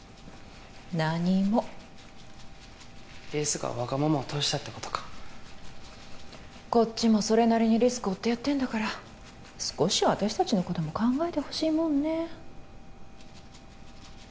何もエースがわがままを通したってことかこっちもそれなりにリスクを負ってやってんだから少しは私達のことも考えてほしいもんね